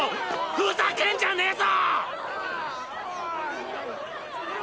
ふざけんじゃねーぞ！